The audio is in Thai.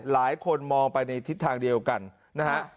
หลายคนมองไปในทิศทางเดียวกันนะฮะ